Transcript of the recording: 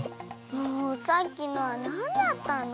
もうさっきのはなんだったの？